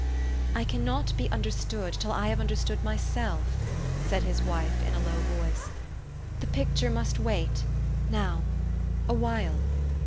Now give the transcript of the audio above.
1 ' I cannot be understood till I have understood myself," said his wife in a low voice. " The picture must wait now a while